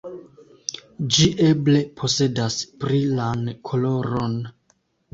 Ĝi eble posedas brilan koloron.